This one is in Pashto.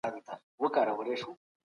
که مشوره روانه وي نو ستونزه نه اوږدیږي.